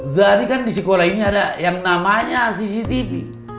jadi kan di sekolah ini ada yang namanya cctv